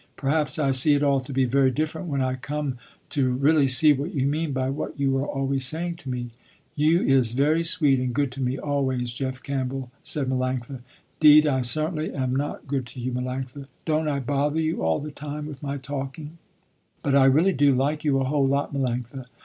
Perhaps I see it all to be very different when I come to really see what you mean by what you are always saying to me." "You is very sweet and good to me always, Jeff Campbell," said Melanctha. "'Deed I certainly am not good to you, Melanctha. Don't I bother you all the time with my talking, but I really do like you a whole lot, Melanctha."